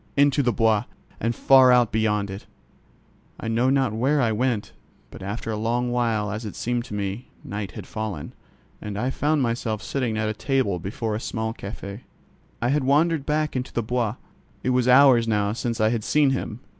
Into the Bois, and far out beyond it—I know not where I went, but after a long while as it seemed to me, night had fallen, and I found myself sitting at a table before a small cafķ. I had wandered back into the Bois. It was hours now since I had seen him.